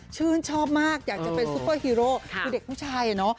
ชื่นชอบมากอยากจะเป็นซุปเปอร์ฮีโร่คือเด็กผู้ชายอ่ะเนอะ